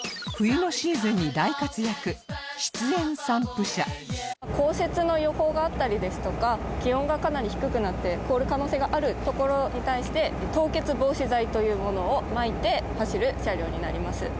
冬のシーズンに大活躍湿塩散布車降雪の予報があったりですとか気温がかなり低くなって凍る可能性がある所に対して凍結防止剤というものを撒いて走る車両になります。